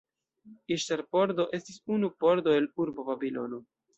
Iŝtar-pordo estis unu pordo el urbo Babilono.